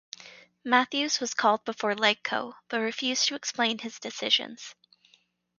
Matthews was called before LegCo but refused to explain his decisions.